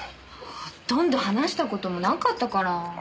ほとんど話した事もなかったから。